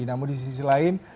namun di sisi lain